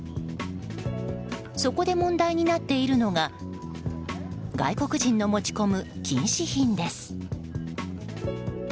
そこで問題になっているのが外国人の持ち込む禁止品です。